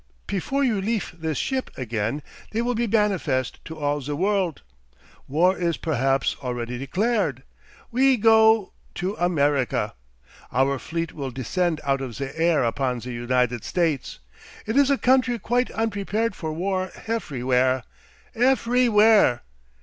Pefore you leafe this ship again they will be manifest to all ze worldt. War is perhaps already declared. We go to America. Our fleet will descend out of ze air upon ze United States it is a country quite unprepared for war eferywhere eferywhere.